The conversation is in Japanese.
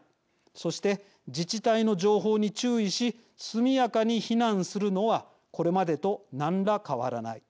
そして、自治体の情報に注意し速やかに避難するのはこれまでと何ら変わらない。